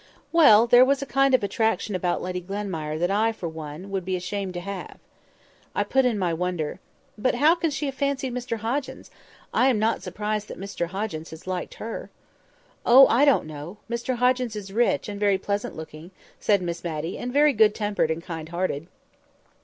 "Well! there was a kind of attraction about Lady Glenmire that I, for one, should be ashamed to have." I put in my wonder. "But how can she have fancied Mr Hoggins? I am not surprised that Mr Hoggins has liked her." "Oh! I don't know. Mr Hoggins is rich, and very pleasant looking," said Miss Matty, "and very good tempered and kind hearted."